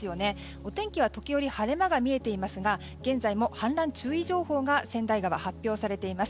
お天気は時折晴れ間が見えていますが現在も氾濫注意情報が川内川、発表されています。